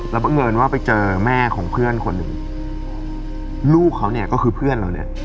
แล้วบังเอิญว่าไปเจอแม่ของเพื่อนคนหนึ่งลูกเขาเนี่ยก็คือเพื่อนเราเนี่ย